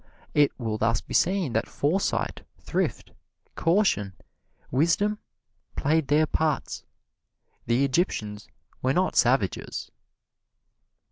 It will thus be seen that foresight, thrift, caution, wisdom, played their parts. The Egyptians were not savages.